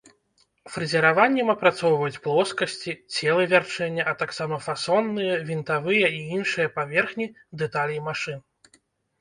Фрэзераваннем апрацоўваюць плоскасці, целы вярчэння, а таксама фасонныя, вінтавыя і іншыя паверхні дэталей машын.